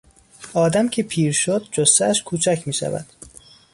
آدم که پیر شد جثهاش کوچک میشود.